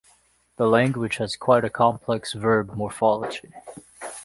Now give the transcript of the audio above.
The language has a quite complex verb morphology.